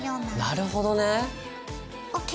なるほどね！ＯＫ。